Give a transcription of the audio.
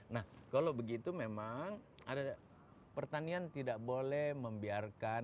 nah kalau begitu memang pertanian tidak boleh membiarkan